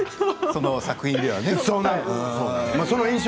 その作品ではね。